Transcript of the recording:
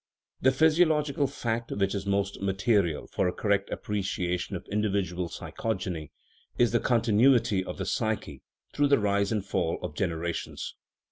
The physiological fact which is most material for a correct appreciation of individual psychogeny is the con tinuity of the psyche through the rise and fall of genera 140 THE EMBRYOLOGY OF THE SOUL tions.